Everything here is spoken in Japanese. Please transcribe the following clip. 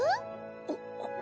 あっ。